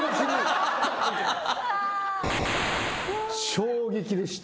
衝撃でした。